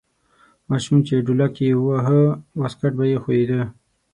ماشوم چې ډولک یې واهه واسکټ به یې ښویده.